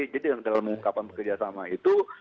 jadi dalam mengungkapkan bekerja sama itu